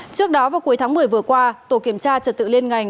trước đó vào cuối tháng một mươi vừa qua tổ kiểm tra trật tự liên ngành